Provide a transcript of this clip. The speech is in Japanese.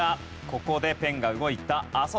ここでペンが動いた。